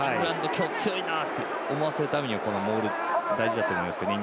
今日強いなって思わせるためにはこのモールが大事だと思いますけどね。